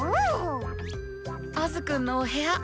アズくんのお部屋